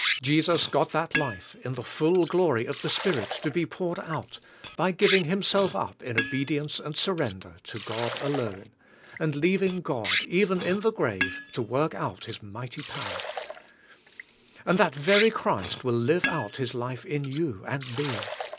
Jesus got that life in the full glory of the Spirit to be poured out, by giving Himself up in obedience and surrender to God alone, and leaving God even in the grave to work out His mighty power; and that very Christ will live out His life in you and me.